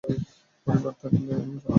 পরিবার থাকলে কেমন লাগে।